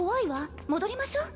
戻りましょう。